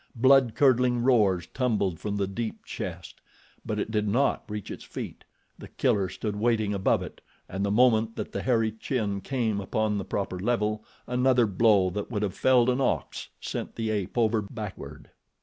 Blood curdling roars tumbled from the deep chest. But it did not reach its feet. The Killer stood waiting above it, and the moment that the hairy chin came upon the proper level another blow that would have felled an ox sent the ape over backward.